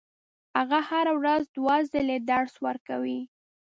هغه هره ورځ دوه ځلې درس ورکوي.